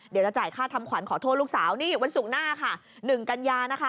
เดี๋ยวจะจ่ายค่าทำขวัญขอโทษลูกสาวนี่วันศุกร์หน้าค่ะ๑กัญญานะคะ